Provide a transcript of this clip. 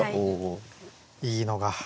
いいのが。